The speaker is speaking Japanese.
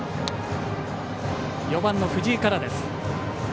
４番の藤井からです。